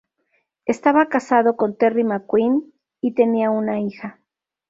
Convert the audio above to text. Estaba casado con Terry McQueen y tenían una hija.